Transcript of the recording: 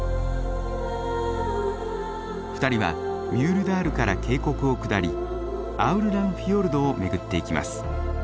２人はミュールダールから渓谷を下りアウルランフィヨルドを巡っていきます。